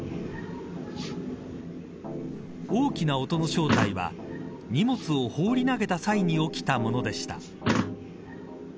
大きな音の正体は荷物を放り投げた際に起きたものでした。